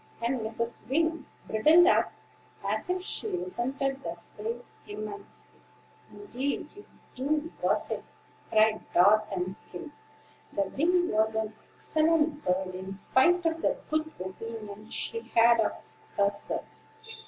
'" And Mrs. Wing bridled up, as if she resented the phrase immensely. "Indeed you do, gossip," cried Dart and Skim; for Wing was an excellent bird, in spite of the good opinion she had of herself.